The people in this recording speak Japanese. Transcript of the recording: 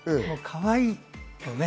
かわいい！